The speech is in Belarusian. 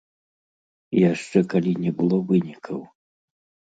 Яшчэ калі не было вынікаў.